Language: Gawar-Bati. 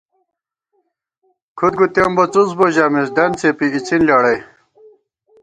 کھُد گُتېم بہ څُس بو ژَمېس، دن څېپی اِڅِن لېڑَئی